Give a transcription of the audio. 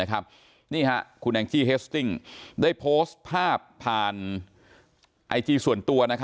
นี่คุณแองจี้เฮสติ้งได้โพสต์ภาพผ่านไอจีส่วนตัว